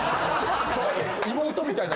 それ妹みたいな。